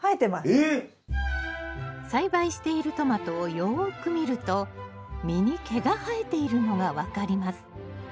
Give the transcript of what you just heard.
えっ！栽培しているトマトをよく見ると実に毛が生えているのが分かります。